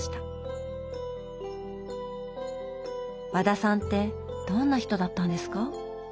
和田さんってどんな人だったんですか？